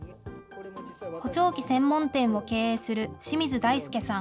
補聴器専門店を経営する清水大輔さん。